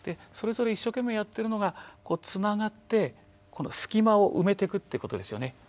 それぞれ一生懸命やってるのがつながってこの隙間を埋めてくってことですよね。